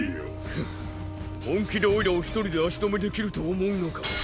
ふん本気でおいらを一人で足止めできると思うのか？